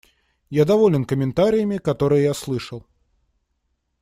Я доволен комментариями, которые я слышал.